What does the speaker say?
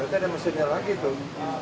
berarti ada mesinnya lagi dong